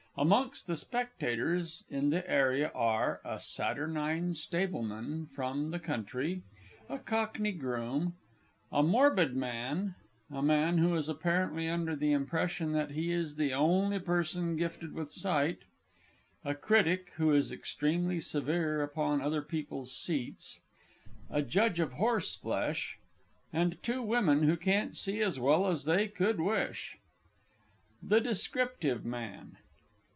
Amongst the Spectators in the Area are a Saturnine Stableman from the country; a Cockney Groom; a Morbid Man; a Man who is apparently under the impression that he is the only person gifted with sight; a Critic who is extremely severe upon other people's seats; a Judge of Horseflesh; and Two Women who can't see as well as they could wish._ THE DESCRIPTIVE MAN.